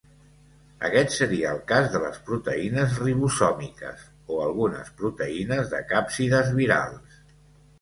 Aquest seria el cas de les proteïnes ribosòmiques o algunes proteïnes de càpsides virals.